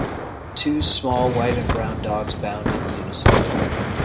Two small white and brown dogs bound in unison.